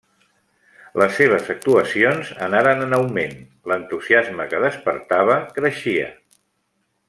Les seves actuacions anaren en augment, l'entusiasme que despertava creixia.